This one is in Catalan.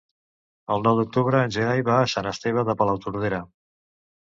El nou d'octubre en Gerai va a Sant Esteve de Palautordera.